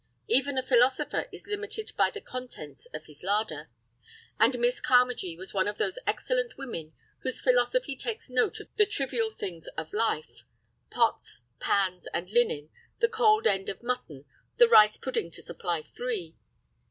Even a philosopher is limited by the contents of his larder, and Miss Carmagee was one of those excellent women whose philosophy takes note of the trivial things of life—pots, pans, and linen, the cold end of mutton, a rice pudding to supply three.